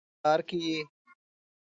په کندهار کې یې